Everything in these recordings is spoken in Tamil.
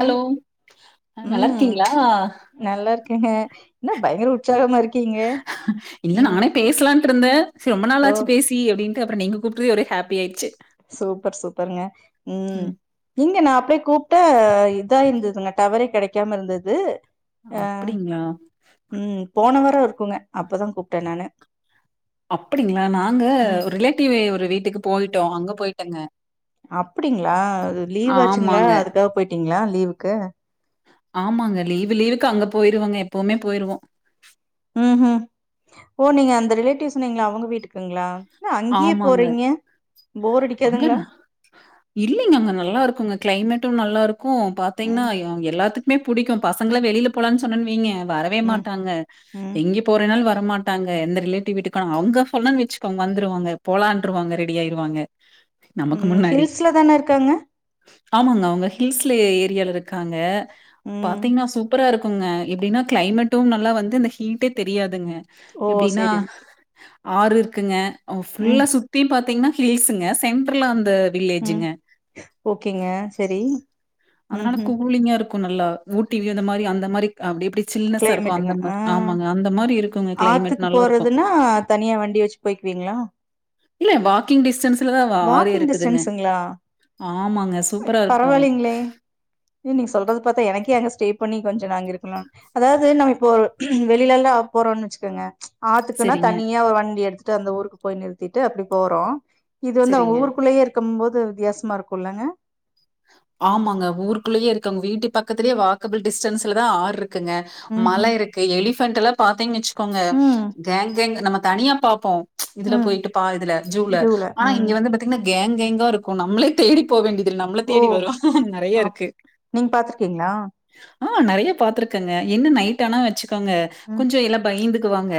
ஹலோ ஆ நல்லா ம் இருக்கீங்களா? நல்லா இருக்கேங்க என்ன பயங்கர உற்சாகமா இருக்கீங்க இல்ல ம் நானே பேசலான்ட்டு இருந்தே செரி ரொம்ப ஓ நாளாச்சு பேசி அப்டின் ட்டு அப்பற நீங்க கூப்ட்டது ஒரே ஹேப்பி ஆயிருச்சு சூப்பர் சூப்பருங்க ம் இங்க நா அப்லயே கூப் ட்டே இதா இருந்ததுங்க டவரே கெடைக்காம இருந்துது ஆ அப்டிங்களா? ம் போன வா ரத்துல இருக்குங்க அப்பதா கூப்ட்டே நானு அப்பிடிங்களா நாங்க ம் ஒரு ரிலேட்டிவு ஒரு வீட்டுக்கு போய்ட்டோ அங்க போயிட்டங்க அப்டிங்களா லீவ் ஆச்சுங்களா ஆமாங்க. அதுக்காக போய்ட்டீங்களா லீவுக்கு? ஆமாங்க லீவு லீவுக்கு அங்க போயிருவோங்க எப்பவுமே போயிருவோ. ம்ஹூம் ஓ நீங்க அந்த ரிலேட்டிவ்ஸ் சொன்னீங்களே அவுங்க வீட்டுக்குங்களா? என்ன அங்கேயே ஆமாங்க போறீங்க போர் அடிக்காதுங்களா அங்கதா. இல்லீங்க அங்க நல்லா இருக்குங்க கிளைமேட் டு நல்லா இரு க்கு பாத்தீங்னா ம் ய அவங்க எல்லாத்துக் மே புடிக்கு பசங்கள வெளில போலான்னு சொன்னன்னு வைங்க வரவே ம் மாட்டாங்க ம் எங்க போறேன்னாலு வ ர மாட்டாங்க எந்த ரிலேட்டிவ் வீட்டுக்கு ஆனா அங்க சொன்னேன்னு வச்சுக்கோங் வந்துருவாங்க போலான்ட்ருவாங்க ரெடி ஆயிருவாங்க நமக்கு ம் முன்னாடி. ஹில்ஸ்லதான இருக்காங்க? ஆமாங்க அவுங்க ஹில்ஸ்ல ஏ ஏரியால இருக்காங்க ம் பாத்தீங்னா சூப்பரா இருக் குங்க எப்டின்னா கிளைமெட்டு நல்லா வந்து இந்த ஹீட்டே தெரியாதுங்க ஓ எப்டின்னா செரி ஆறு இருக்குங்க அவ் ம் ஃபுல்லா சுத்தியு பாத்தீங்னா ஹில்ஸுங்க சென்ட்ருல அந் ம் ஓகேங்க செரி அதுனால கூலிங்கா இரு க்கு நல்லா ஊட்டிவ்யு இந்த மாரி அந்த மாரி அப்டி இப்டி கிளைமேட்டுங்க ஆ இருக்குங்க கிளைமேட் ஆத்துக்கு நல்லாருக்கும். போறதுன்னா தனியா வண்டி வச்சு போய்க்குவீங்ளா? இல்ல வாக்கிங் டிஸ்டன்ஸ் த்துலதா வ ஆறே இருக்குதுங்க டிஸ்டன்ஸுங்களா? ஆமாங்க சூப்பரா இருக்கு எ நீங்க சொல்றது பாத்தா எனக்கே அங்க ஸ்டே பண்ணி கொஞ்ச நா அங்க இருக்கணுன் அதாவ்து நம்ம இப்போ வெளிலல்லா போறோன்னு வச்சுக்கங்க ஆத்துக்குன்னா சரிங்க, தனியா ஒரு வண்டி எடுத்து ட்டு அந்த ஊருக்கு போய் நிறுத்திட்டு அப்டி போறோ இது வந்து அவுங்க சரிங்க. ஊருக்குள்ளயே இருக்கும் போ து வித்தியாசமா இருக்குல்லங்க ஆமாங்க ஊருக்குள்ளயே இருக்கங்க வீட்டு பக்கத்துலே வாக்கபிள் டிஸ்டன்ஸ்ல தா ஆறு இரு க்குங்க மல ம்ஹ்ம். இருக்கு எலிஃ பேன்டெல்லா பாத்தீங்கச்சு க்கோங்க ம். கேங் கேங் நமக் தனியா பாப்போ இதுல ம். போயிட்டு பா இதுல ஜூல ஆனா இங்க வந்து பாத்திங்னா கேங் கேங்கா இருக்கு நம்மளே தேடி போவேண்டியதில் நம்ள ஓ! தேடி வரு அப் நறையருக்கு நீங்க பாத்துருக்கீங்களா? ஆ நறைய பாத்துருக்கங்க என்ன நைட் ஆனா வச்சு க்கங்க ம். கொஞ்சொ எல்லா பயந்து க்குவாங்க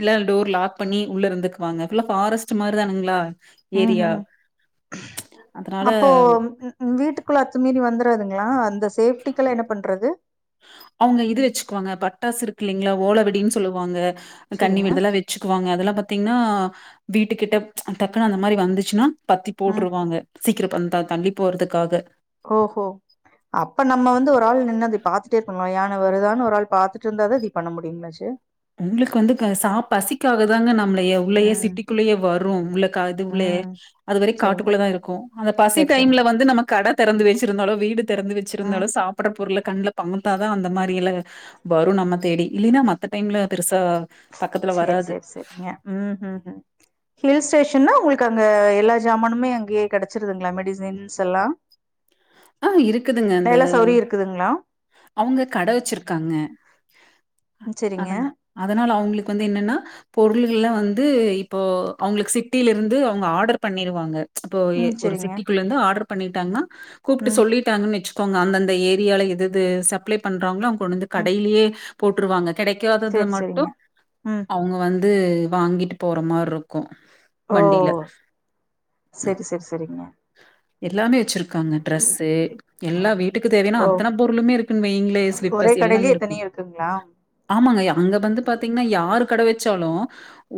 எல்லா டோர் லாக் பண்ணி உள்ள இருந்துக்குவாங்க ஃபுல்லா ஃபாரஸ்ட்டு மாருதானுங்ளா ம்ஹும் அதனால அப்போ ம் ம் வீட்டுக் குள்ள அத்து மீறி வந்துராதுங்ளா அ ந்த சேப்டிக்க. லா என்ன பண்றது அவுங்க இது வச்சுக்குவாங்க பட்டாசு இரு க்கில்லிங்ளா ஓலவெடின் சொல்லுவாங்க சரிங்க. கண்ணிவெ இதெல்லா வச்சுக்குவாங்க அதெல்லா பத் பாத்தீங்கனா வீட்டு கிட்ட டக்குனு அந்த மாரி வந்துச்சுனா பத்தி ம். போட்ருவாங்க சீக்கிர வந்தா தள்ளி போறதுக்காக ஓகோ அப்ப நம்ம வந்து ஒரு ஆள் நின்னது பார்த்துடே இருக்கணுல யான வருதானு ஒரு ஆள் பாத்துட்டு இருந்தா அது பண்ண முடியுங்களாச்சு உங்களுக்கு வந்து சா பசிக்காக தாங்க நாம உள்ளயே ம். சிட்டிக்குள்ளயே வரு உள்ள அது உள்ளயே ம். அதுவரை சரிங்க. காட்டுக்குள்ளே தா இருக்கு அந்த பசி சரி, சரி. டைம்ல வந்து நம்ம கட தெறந்து வச்சிருந்தாலோ வீடு திறந்து ம். வச்சிருந்தாலோ சாப்ற பொருள கண்ல பங்கு தா அந்த மாதிரியில வரு நம்ம தேடி இல்லைன்னா மத்த டைம்ல அது ரிஸ்க் சேரி சேரி சேரிங்க உம் ம் ஹில் ஸ்டேஷன் உங்களுக்கு அங்க எல்லா சமானுமே அங்கேயே கிடச்சிருதுங்ளா மெடிசின்ஸ் எல்லா ஆ இருக்குதுங்க அந்த சௌகரியம் இருக்குதுங்களா? அவுங்க கட வெச்சிருக்காங்க ம். [inaudible] சரிங்க. அதன அதனால அவுங்களுக்கு வந்து என்னன்னா பொருள் பொருள்கலா வந்து இப்போ அவுங்களுக்கு சிட்டியிலே இருந்து அவுங்க ஆடர் பண்ணிருவாங்க இப்போ ம். ஒரு சரிங்க. சிட்டிக்குள்ள இருந்து ஆடர் பண்ணிட்டாங்னா கூப்ட்டு ம். சொல்லிட்டாங்கனு வெச்சு அவங்க அந்தந்த ஏரியால இது இது சப்ளை பண்றாங்ளோ அவுங்க கொண்டு வந்து ம். கடையிலேயே போட்ருவாங்க கிடைக்காதது சரி, மட்டு சரிங்க. ம். அவுங்க வந்து இது வாங்கிட்டு போற மாரி இருக்கு ஓ சேரி சேரி சேரிங்க எல்லாமே வச்சிருக்க டிரஸ் எல்லா வீட்டுக்கு தேவயானா ஓ! அத்தன பொருளுமே இருக்குனு வையுங்ளே ஒரே ஸ்லிப்பர்ஸ் எல்லாமே கடையிலயே இருக்கு எத்தனையு இருக்குங்களா ஆமாங்க அங்க வந்து பாத்தீங்னா யாரு கட வெச்சாலு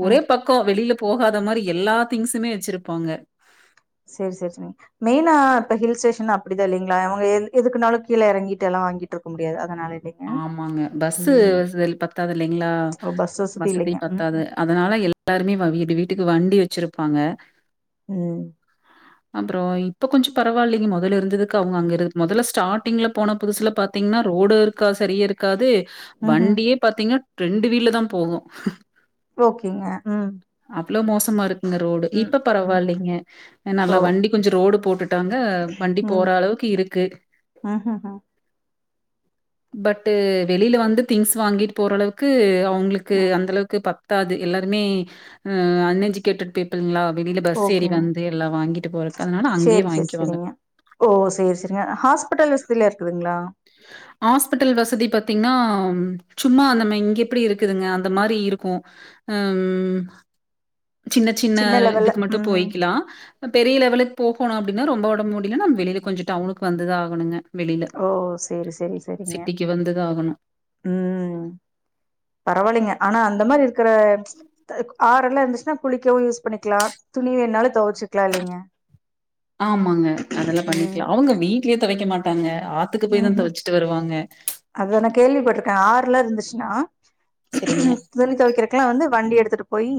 ஒரே ம் பக்க வெளில போகாத மாரி எல்லா திங்ஸ்மே வெச்சிருப்பாங்க சேரி சேரி மெயினா இப்ப ஹில் ஸ்டேஷன் அப்டிதா இல்லீங்ளா அவுங்க எதுக்குனாலு கீழ இறங்கிட்டு எல்லா வாங்கிட்டு இருக்க முடியாது அதனால இல்லைங்க ஆமாங்க பஸு ம் வசதி பத்தாது இல்லைங்ளா ஓ பஸ் வசதி இல்லைங்க பத்தாது ம்ஹும் அதனால எல்லாருமே வீடு வீட்டு வீட்டுக்கு வண்டி வச்சிருப்பாங்க ம் அப்றோ இப்போ கொஞ்ச பரவாயில்லங்க மொதல இருந்ததுக்கு அவுங்க அங்க இரு மொதல்ல ஸ்டாடிங்ல் போன புதுசல பாத்தீங்னா ரோடு க்கா சரியே இருக்காது ம்ஹும் வண்டியே பாத்தீங்ன்னா ரெண்டு வீல்லதா போகு ஓகேங்க ம் ளோ மோசமா இரு க்குங்க ரோடு ம் இப்ப ம் பரவால்லிங்க ஆ ஓ நல்லா வண்டி கொஞ்ச ரோடு போ ட்டாங்க வண்டி ம் போற அளவுக்கு இருக்கு ம்ஹும் பட்டு வெளியில வந்து திங்ஸ் வாங்கிட்டு போற அளவுக்கு அவ ங்களுக்கு ம் அந்த அளவுக்கு ப த்தாது எல்லாருமே ஆ அன்எஜுகேட்டட் பீப் ஓகேங்க வாங்கிட்டு போறக்கு. அதனால அங்கேயே சேரி சேரி வாங்கிக்குவாங்க. சேரிங்க ஓ சேரி சேரிங்க அ ஹாஸ்பிட்டல் வசதிலா இருக்குதுங்களா? ஆஸ்பிட்டல் வசதி பாத்தீங்ன்னா சும்மா நம்ம இங்க எப்பிடி இருக்குதுங்க அந்த மாரி இருக்கு அம் சின்ன சின்ன லெவல்ல இதுக்கு மட்டு ம் போயிக்கலா அ பெரிய லெவலு போகோணு அப்டின்னா ரொம்ப ஒடம்பு முடியலன்னா நம் வெளியில கொஞ்ச டவுனுக்கு வந்துதா ஆகணுங்க வெளியில ஓ செரி செரி செரிங்க சிட்டிக்கு வந்து தான் ஆகணும். ம் பரவால்லைங்க ஆனா அந்த மாரி இரு க்கற க ஆறெல்லா இருந்துச்சுனா குளிக்கவு யூஸ் பண்ணிக்கலா து ணி வேண்ணாலு தொவச்சுக்கலா இல்லைங்க ம் தொவைக்க மாட்டாங்க ஆத்துக்கு போய் ம் தான் ஹும் துவைச்சுட்டு வருவாங்க. அத நா கேள்விப்பட்ருக்கே ஆ றெல்லா இருந்துச்சுனா சரிங்க. துணி தொவைக்கிறக்கு எல்லா வந்து வண்டி எடுத்துட்டு போயி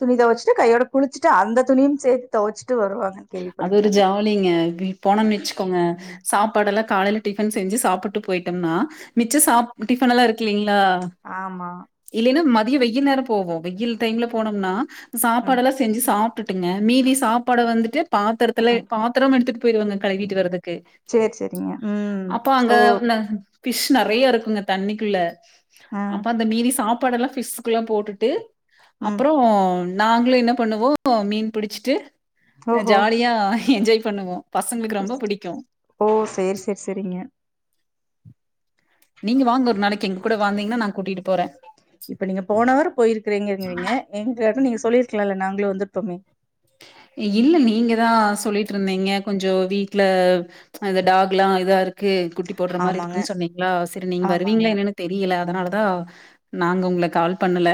துணி தொவச்சுட்டு கையோட குளிச்சுட்டு அந்த துணியும் சேத்து தொவச்சு அது ஒரு ஜாலிங்க கி போனோன்னு வச்சுக்கோங்க ம் சாப்பாடல்லா காலைல டிஃபன் செஞ்சு சாப்புட்டு போயிட்டம்னா மிச்ச சா டிஃபனல்லா இருக்குல்லீங் ளா ஆமா இல்லைன்னா ம தியோ வெய்யில் நேரோ போவோ வெய்யில் டைம்ல போனோம்னா ம் சாப்பாடெல்லா செஞ்சு சா ப்டுட்டுங்க மீதி சாப்பாட வந்து பாத்தரத்துல ம் பாத்தரமு எடுத்துட்டு போயிருவங்க கழுவிட்டு வர்றதுக்கு சேரி சேரிங்க ம் அப்போ அங்க ஓ இந்த ஃபிஷ் நெறைய இருக்குங்க தண்ணிக்குள்ள ஆ அப்ப அந்த மீதி சாப்பாடெல்லா ஃபிஷ்க்கல்லா போட்டுட்டு ம் அப்புறோ நாங்ளு என்ன பண்ணுவோ மீன் பிடிச்சிட்டு அ ஓஹோ ஜாலியா என்ஜாய் பண்ணுவோ ஓ சேர் செர் செரிங்க நீங்க வாங்க ஒரு நாளைக்கு எங்க கூட வாந்தீங்னா நா கூட்டிட்டு போறே இப்ப நீங்க போனவார போயிருக்குறீங்க றிங்கறிங்க என்டயாச்சு நீங்க சொல்லிருக்லால்ல நாங்களு வந்துருப்பொமே இல்ல நீங்க தா சொல்லிட்ருந்தீங்க கொஞ்சொ வீட்ல அது டாக்லா இதா இரு க்கு குட்டி போட்ற மாரி ஆமாங்க இருக்குன் சொன்னீங்ளா செரி நீங்க ஆமாங்க. வருவீங்ளா என்னன் தெரியல அதனாலதா நாங்க உங்ள கால் பண்ணல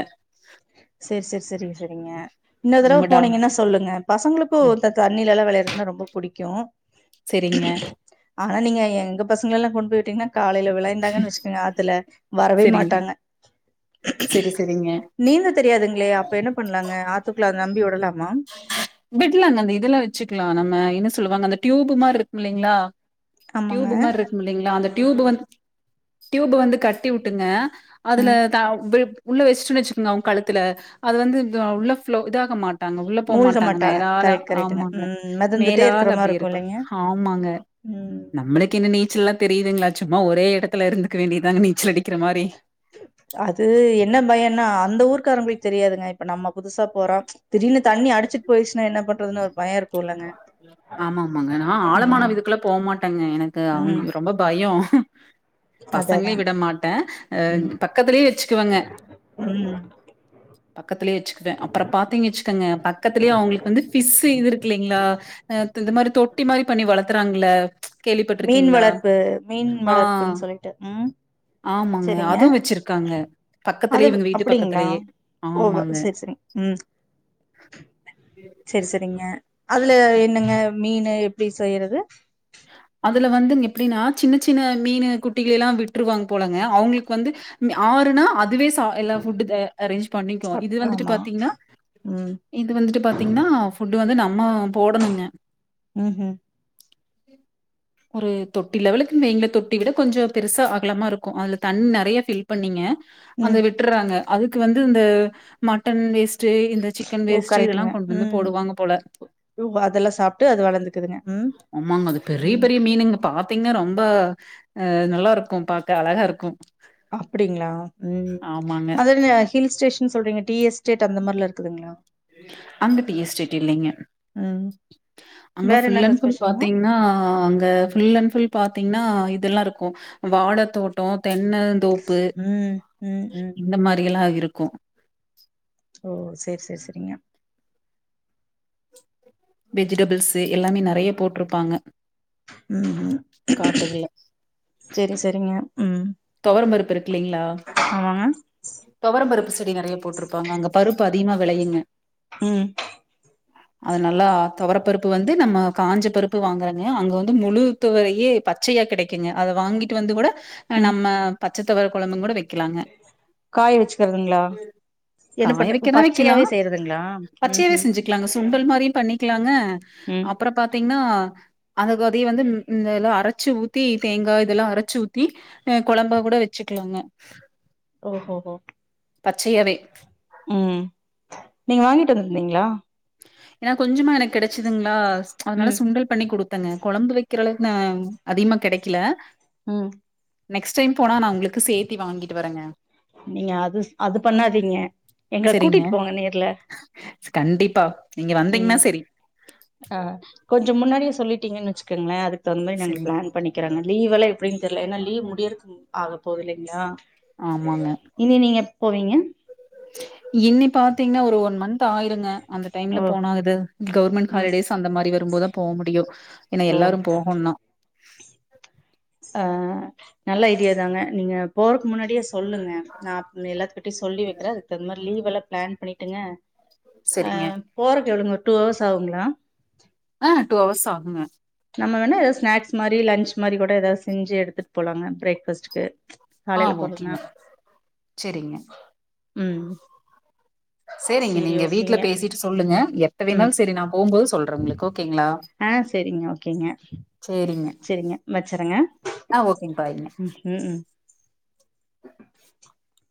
சேர் சேர் செரிங்க செரிங்க இன்னொரு தடவ உங்க டாக் போனீங்கன்னா சொல்லுங்க பசங்ளுக்கு ம். இத்த தண்ணிலல்லா வெளயார துன்னா ரொம்ப புடிக்கு செரிங்க ஆனா நீங்க எங்க பசங்ளல்லா கொண்டு போய் வுட்டிங்னா காலைல வெளைன்டாங்கன் வச்சுக்கங்க ஆத்துல வரவே சரிங்க. மாட்டாங்க நீந்த தெரியாதுங்களே! அப்ப என்ன பண்ணலாங்க? ஆத்துக்குள்ள அத நம்பி விடலாமா? விட்லாங்க அந்த இதெல்லா வச்சுக்லா நம்ம என்ன சொல்லுவாங்க அந்த ட்யூ பு மார்ருக்குமில்லெங்ளா ஆமாங்க. ட்யூபு மாருக்கு மில்லிங்ளா அந்த ட்யூபு வந்து டியூபு வந்து கட்டி வுட்டுங்க அதுல ம். தா [unintelligible] உள்ள வச்சுட்டோன் வச்சுக்கங்க அவுங் கழுத்துல அது வந்து த உள்ள ஃப்ளொ இதாக மாட் டாங்க உள்ள மூழ்க போமாட்டாங்க மாட்டாங்க. மேலால கரெக்ட், கரெக்ட்டுங்க. ஆமாங்க ம். மிதந்துட்டே இருக்கிற மேலால மாரி அப்டி இருக்கும் இருக்கு இல்லைங்க? ஆமாங்க ம். நம்ளுக்கு என்ன நீச்சல்லா தெரியுதுங்ளா சும்மா ஒரே எட த்துல இருந்துக்க வேண்டியதாங்க நீச்சல் அடி அது என்ன பயன்னா அந்த ஊர்காரங்ளுக் தெரியாதுங்க இப்ப நம்ம புதுசா போறொ திடீர்னு தண்ணி அடுச்சிட் போயிர்ச்சுனா என்ன பண் றதுன்னு ஒரு பய இரு ஆமாமாங்க நா ஆழமான ம். விதுக்குள்ள போமாட்டேங்க எனக்கு அந் ம் ரொம்ப பயொ அத அதா பசங்ளை விட மாட்டே அ ம் பக்கத்துலே வச்சுக்குவெங்க ம் பக்கத்துலயே வச்சுக்கவே அப்புற பாத்தீங்க வச் க்கங்க பக்கத்திலயே அவங்களுக்கு வந்து ஃபிஷ்ஷு இது இருக்கு இல்லைங்களா ஆ த் இந்த மாரி தொட்டி மாரி பண்ணி வளத்துறாங்கல்ல மீன் வளர்ப்பு மீன் ஆ, வளர்ப்புன்னு சொல்லிட்டு உம் ஆமாங்க. சரிங்க அதுவும் வச்சிருக்காங்க. அது பக்கத்துலயே இவங்க வீட்டு அப்டிங்களா பக்கத்துலயே. ஓ வ ஆமாங்க. சரி சரி ம் சரி சரிங்க அதுல என் னங்க மீனு எப்டி செய்யறது? அதுல வந்து எப்டின்னா சின்ன சின்ன மீனு குட்டிகள எல்லா விட்டுருவாங்க போலங்க அவங்களுக்கு வந்து ம் ஆறுனா அதுவே அ எல்லா ஃபுட் ஆ அரேஞ்ச் பண்ணிக்கு சாப் இது வந்துட்டு ஆமா பாத்தீங்ன்னா ம் இது வந்துட்டு பாத்தீங்ன்னா ஃபுட்டு வந்து நம் ம போடணுங்க ம்ஹும் ஒரு தொட்டி லெவலுக்குன் வைங்களே தொட்டி விட கொஞ்சோ பெருசா அகலமா இருக்கு அதுல தண்ணி நெறைய ஃபில் பண்ணிங்க அந்த ம் விட்டர்றாங்க அதுக்கு வந்து இந்த மட்டன் வேஸ்ட் ஓ கரெக்ட்டுங்க ம் போடுவாங்க போல. ஒ அதெல்லா சாப்ட்டு அது வளந்துக்குதுங்க ம் ஆமாங்க அது பெரிய ம் பெரிய மீனுங்க பா த்தீங்னா ரொம்ப ஆ நல்லா இருக்கு பாக்க அழகா இருக்கு அப்டிங்களா ம் அது இந்த ஹில் ஸ்டேஷ ன்னு சொல்றீங்க டீ எஸ்டேட் அந்த மாரிலா இருக்குதுங்களா? அங்க டீ எஸ்டேட் இல்லைங்க ம் அங்க வேற ஃபுல் என்னங்க அண்ட் ஃபுல் ஸ்பெஷலுங்க பாத்தீங்ன்னா அங்க ஃபுல் அண்ட் ஃபுல் பாத்தீங்ன்னா இ இதெல்லா இருக்கு ம் வாழ தோட்டோ தென்னந்தோப்பு ம் ம் ம் இந்த மாரி எல்லா இரு க்கு ஓ சேரி சேரி செரிங்க வெஜிடபிள்ஸு எல்லாமே நெறைய போட்ருப்பாங்க ம் ஹும் செரி செரிங்க தொவரம்பருப்பு இருக்கில்லைங்களா ஆமாங்க தொவரம்பருப்பு செ டி நெறையா போட்ருப்பாங்க அங்க பருப்பு அதிகமா வெளையுங்க ம் அது நல்லா தொவரப்பருப்பு வந்து நம்ம காஞ்ச பருப்பு வாங்கறங்க அங்க வந்து முழு துவரையே பச்சையா கெடைக்குங்க அத வாங்கிட்டு வந்து கூட ஆ ம் நம்ம ப ச்ச தொவர கொழம்புங்கூட வைக் காய வெச்சுக்கறதுங்களா என்ன காய பண்ற ஓ வைக்கிறதா வைக்கலா பச்சையாவே செய்யறதுங்களா ம் பச்சையாவே ஹும் செஞ்சுக்கலாங்க சுண்டல் மாரியு பண்ணிக்கலாங்க அ அப்பற பாத்தீங்ன்னா அதுகு அதைய வந்து ம் ம் எல்லா அரச்சு ஊத்தி தேங்கா இதெல்லா அரச்சு ஊத்தி ஆ கொழம்பா கூட வச்சுக்கலாங்க. ஓ ஹோ ஹோ பச்சயாவே உ நீங்க வாங்கிட்டு வந்திருந்தீங்களா எனா கொஞ்சமா எனக்கு கெடச்சிதுங்ளா அதனால ம் சுண்டல் பண்ணி குடு த்தங்க கொழம்பு வைக்கிற அளவுக்கு அதிகமா கெடைக்கல ம் நெக்ஸ்ட் டைம் போனா நா உங்களுக்கு சேத்தி வாங்கிட்டு வரேங்க நீங்க அது அது பண்ணாதீங்க எங்கள கூட்டிட்டு போங்க நேர்ல கண்டிப் பா நீங்க வந்தீங்னா சரி கொஞ்ச முன்னாடியே சொல்லிட்டீங்கனு வச்சுக்குங்களே அது தகுந்தமாரி நாங்க சரி. பிளான் பண்ணிக்கிறேங்க லீவெல்லா எப்டின்னு தெரில ஏன்னா லீவ் முடியர்க்கு ஆக போகுது இல்லங்களா ஆமாங்க. இனி நீங்க ப் போவீங்க ச இன்னி பாத்தீங்னா ஒரு ஒன் மந்த் ஆயிருங்க அந்த டைம்ல ஓ போனா இது கவர்மெண்ட் ம் ஹாலிடேஸ் அந்த மாரி வரும்போதா போ முடியு ஏனா ஓ எல்லாரு போகோண்னா ஆ நல்ல ஐடியாதாங்க நீங்க போறக்கு முன்னாடியே சொல்லுங்க நா எல்லாத்துக்கிட்டையு சொல்லி வக்கிறே அதுக்குதகுந்த மார் லீவ் எல்லா பிளான் பண்ணிட்டுங்க அ சரிங்க. போறக்கு [unintelligible] டூ ஹவர்ஸ் ஆகுங்களா ஆ டூ ஹவர்ஸ் ஆகுங்க நம்ம வேணா ஏதா ஸ்னாக்ஸ் மாரி லன்ச் மாரி கூட ஏதாது செஞ்சி எடுத்துட்டு போலாங்க பிரேக்ஃபாஸ்ட்டுக்கு ஆ ஓகேங்க சரிங்க உ சேரிங்க நீங்க வீட்டுல பேசிட்டு சொல்லுங்க எப் ட ம் வேணாலு செரி நா போம்போது சொல்றே உங்களுக்கு ஓகேங்ளா ஆ சேரிங்க ஓகேங்க சேரிங்க சேரிங்க வச்சறேங்க ஆ ஓகே பாய்ங்க ம் ம் ம் [inaudible]